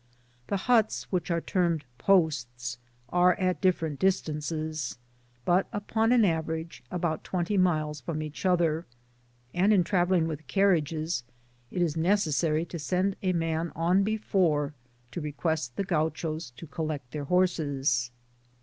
The huts, which are termed posts, are at different distances, but upon an ave * rage, about twenty miles from each other ; and in travelling with carriages, it is necessary to send a man on before, to request the Guachos to collect their horses.